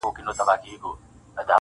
• په قدم قدم روان پر لور د دام سو -